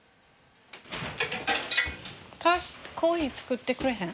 正コーヒー作ってくれへん？